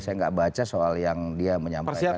saya nggak baca soal yang dia menyampaikan